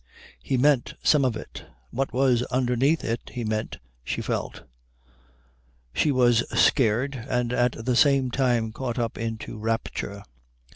He meant some of it. What was underneath it he meant, she felt. She was scared, and at the same time caught up into rapture.